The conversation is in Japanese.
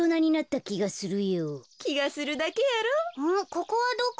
ここはどこ？